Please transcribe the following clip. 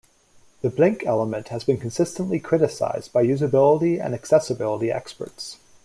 The blink element has been consistently criticised by usability and accessibility experts.